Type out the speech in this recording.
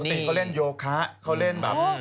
จริงเขาเล่นโยคะเขาเล่นแบบ